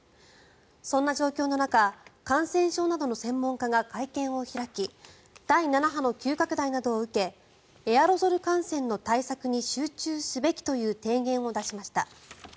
そんな状況の中感染症などの専門家が会見を開き第７波の急拡大などを受けエアロゾル感染の対策に集中すべきという提言を出しました。